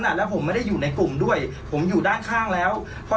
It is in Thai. สนุนโดยสายการบินไทยนครปวดท้องเสียขับลมแน่นท้อง